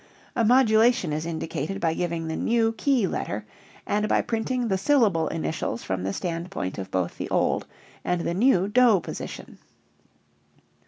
A modulation is indicated by giving the new key letter and by printing the syllable initials from the standpoint of both the old and the new do position.